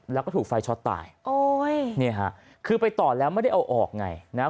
แล้วก็ถูกไฟช็อตตายโอ้ยเนี่ยฮะคือไปต่อแล้วไม่ได้เอาออกไงนะฮะ